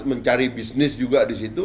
mencari bisnis juga di situ